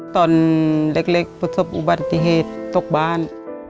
ตอนเล็กประสบอุบัติเหตุตกบ้าน